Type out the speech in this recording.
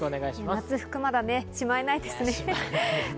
夏服まだしまえないですね。